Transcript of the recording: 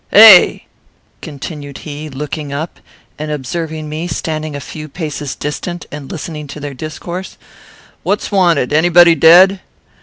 Hey!" continued he, looking up, and observing me standing a few paces distant, and listening to their discourse; "what's wanted? Anybody dead?"